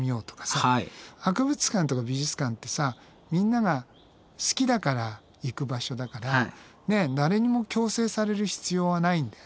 博物館とか美術館ってさみんなが好きだから行く場所だから誰にも強制される必要はないんだよね。